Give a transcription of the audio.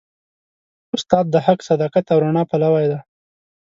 استاد د حق، صداقت او رڼا پلوي دی.